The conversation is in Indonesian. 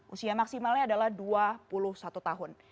usia maksimalnya adalah dua puluh satu tahun